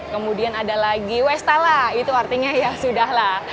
kemudian ada lagi westala itu artinya ya sudah lah